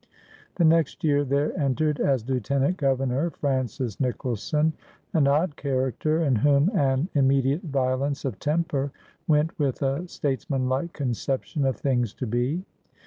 The next year there en tered, as Lieutenant Governor, Francis Nicholson, an odd character in whom an inmiediate violence of temper went with a statesmanlike conception of things to be.